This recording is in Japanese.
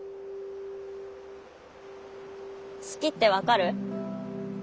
「好き」って分かる？